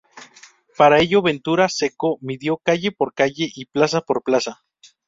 Para ello Ventura Seco midió calle por calle y plaza por plaza.